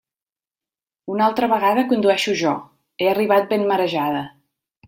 Una altra vegada condueixo jo; he arribat ben marejada.